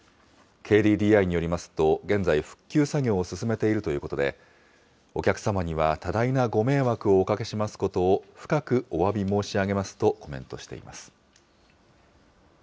ＫＤＤＩによりますと、現在、復旧作業を進めているということで、お客様には多大なご迷惑をおかけしますことを深くおわび申し上げますとコメントしています。